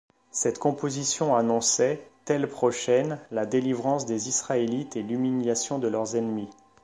Cette composition annonçait, telles prochaines, la délivrance des Israélites et l'humiliation de leurs ennemis.